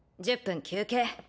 １０分休憩。